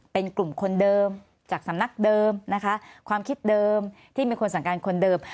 เป็นกลุ่มคนเดิมจากสำนักเดิมนะคะความคิดเดิมที่มีคนสั่งการคนเดิม